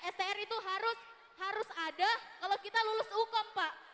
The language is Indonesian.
str itu harus ada kalau kita lulus hukum pak